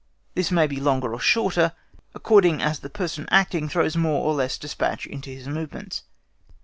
This may be longer or shorter, according as the person acting throws more or less despatch into his movements.